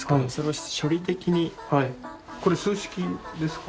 これ数式ですか？